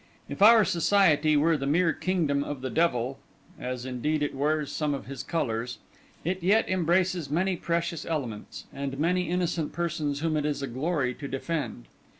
If our society were the mere kingdom of the devil (as indeed it wears some of his colours) it yet embraces many precious elements and many innocent persons whom it is a glory to defend.